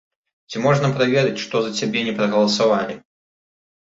Ці можна праверыць, што за цябе не прагаласавалі?